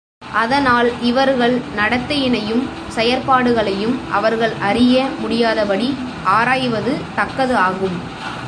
அதனால், இவர்கள் நடத்தையினையும் செயற்பாடுகளையும் அவர்கள் அறிய முடியாதபடி ஆராய்வது தக்கது ஆகும்.